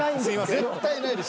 絶対ないです。